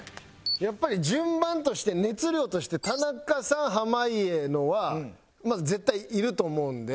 やっぱり順番として熱量として田中さん濱家のは絶対いると思うんで。